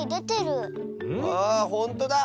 あほんとだ！